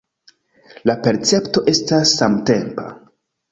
La percepto estas samtempa.